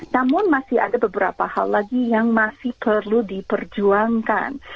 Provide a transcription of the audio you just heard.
namun masih ada beberapa hal lagi yang masih perlu diperjuangkan